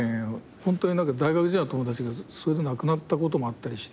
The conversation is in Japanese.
ホントに大学時代の友達がそれで亡くなったこともあったりして。